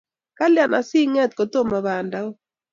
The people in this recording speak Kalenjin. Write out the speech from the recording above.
Kalyan asikinget ko tomo banda ooh